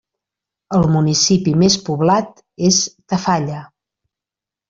El municipi més poblat és Tafalla.